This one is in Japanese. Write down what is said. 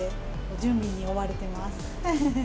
準備に追われてます。